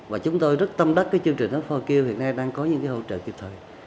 và chúng tôi rất tâm đắc cái chương trình app foke hiện nay đang có những cái hỗ trợ kịp thời